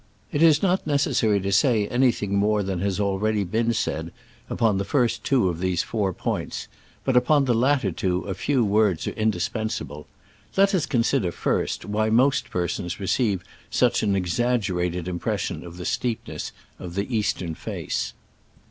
It is not necessary to say anything more than has been already said upon the first two of these four points, but upon the latter two a few words are indispensable. Let us consider, first, why most persons receive such an exaggerated impression of the steepness of the eastern face.